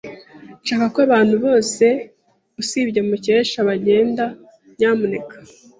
Ndashaka ko abantu bose usibye Mukesha bagenda, nyamuneka.